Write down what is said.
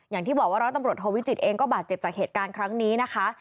อย่างที่บอกว่าร้อยตำรวจโทวิจิตเองก็บาดเจ็บจากเหตุการณ์ครั้งนี้นะคะ